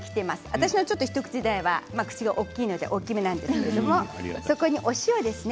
私は一口大、口が大きいので大きめなんですけれどもそこにお塩ですね